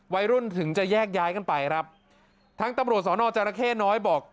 ถึงจะแยกย้ายกันไปครับทางตำรวจสอนอจรเข้น้อยบอก